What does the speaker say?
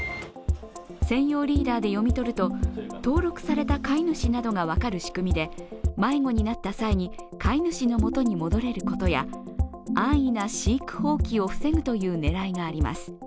専用リーダーで読み取ると登録された飼い主などが分かる仕組みで迷子になった際に飼い主の元に戻れることや安易な飼育放棄を防ぐという狙いがあります。